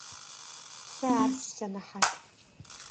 Сэ ар сисэнэхьат.